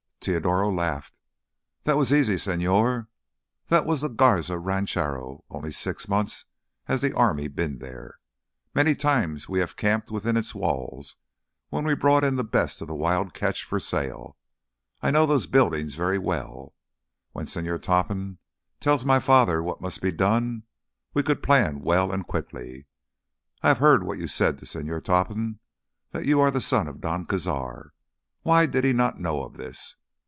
Teodoro laughed. "That was easy, señor. That was the Garza Rancho—only six months has the army been there. Many times we have camped within its walls when we brought in the best of the wild catch for sale. I know those buildings very well. When Señor Topham tells my father what must be done, we could plan well and quickly. I have heard what you said to Señor Topham, that you are the son of Don Cazar. Why did he not know of this?